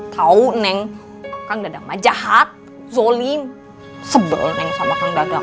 tau neng kang dadang mah jahat zolim sebel neng sama kang dadang